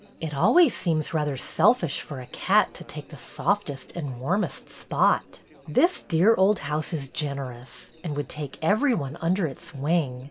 "It always seems rather selfish for a cat to take the softest and warmest spot. This dear old house is generous, and would take every one under its wing.